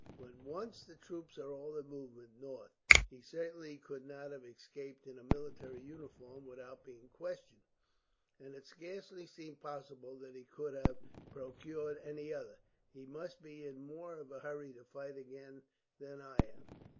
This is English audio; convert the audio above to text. "When once the troops are all in movement north, he certainly could not have escaped in a military uniform without being questioned; and it scarcely seems possible that he could have procured any other. He must be in more of a hurry to fight again than I am."